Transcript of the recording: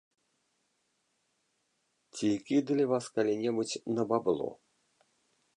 Ці кідалі вас калі-небудзь на бабло?